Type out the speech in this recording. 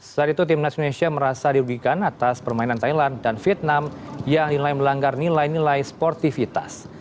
saat itu timnas indonesia merasa dirugikan atas permainan thailand dan vietnam yang nilai melanggar nilai nilai sportivitas